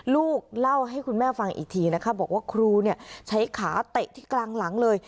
ลูกเล่าให้คุณแม่ฟังอีกทีนะคะบอกว่าครูใช้ขาเตะที่กลางหลังเลย